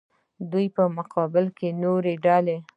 د دوی په مقابل کې نورې ډلې.